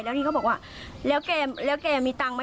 แล้วนี่เขาบอกว่าแล้วแกมีตังค์ไหม